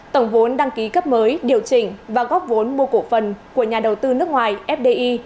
tổng vốn đăng ký cấp mới điều chỉnh và góp vốn mua cổ phần của nhà đầu tư nước ngoài fdi